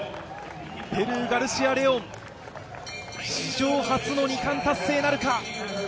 ペルー、ガルシア・レオン、史上初の２冠達成なるか。